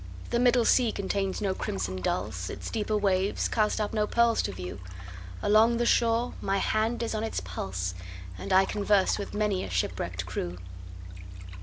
The middle sea contains no crimson dulse, Its deeper waves cast up no pearls to view; Along the shore my hand is on its pulse, And I converse with many a shipwrecked crew.